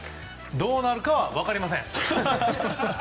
どうなるかは分かりません！